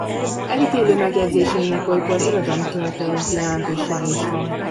Elítélő megjegyzéseinek olykor irodalomtörténeti jelentősége is van.